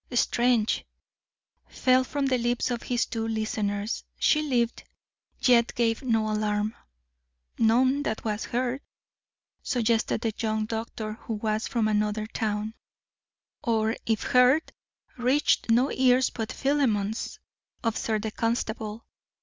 "Strange!" fell from the lips of his two listeners. "She lived, yet gave no alarm." "None that was heard," suggested the young doctor, who was from another town. "Or, if heard, reached no ears but Philemon's," observed the constable.